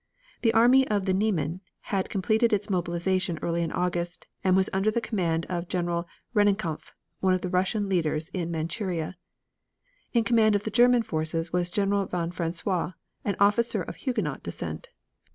The Army of the Niemen had completed its mobilization early in August, and was under the command of General Rennenkampf, one of the Russian leaders in Manchuria. In command of the German forces was General von Francois, an officer of Huguenot descent.